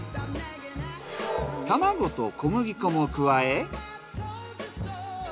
卵と小麦粉も加え。